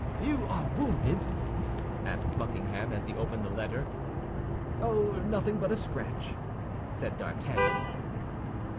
"You are wounded?" asked Buckingham, as he opened the letter. "Oh, nothing but a scratch," said D'Artagnan.